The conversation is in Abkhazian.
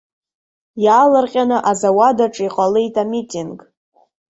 Иаалырҟьаны азауад аҿы иҟалеит амитинг.